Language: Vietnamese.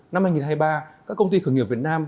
năm hai nghìn hai mươi ba các công ty khởi nghiệp việt nam